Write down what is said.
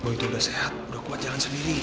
oh itu udah sehat udah kuat jalan sendiri